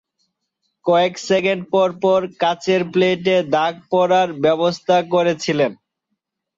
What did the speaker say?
কয়েক সেকেন্ড পরপর কাচের প্লেটে দাগ পরার ব্যবস্থা করেছিলেন।